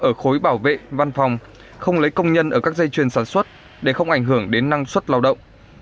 ở khối bảo vệ văn phòng không lấy công nhân ở các dây chuyền sản xuất để không ảnh hưởng đến năng suất lao động